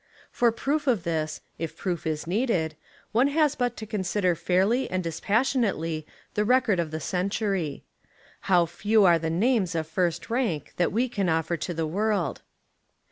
68 Literature and Education in America For proof of this, If proof is needed, one has but to consider fairly and dispassionately the record of the century. How few are the names of first rank that we can offer to the world.